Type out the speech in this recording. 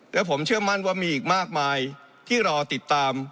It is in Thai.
และผมเชื่อมั่นว่ามีอีกมากมายที่รอติดตาม